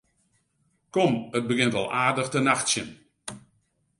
Kom, it begjint al aardich te nachtsjen.